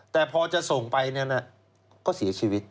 แต่พอจะส่งไปก็เสียชีวิต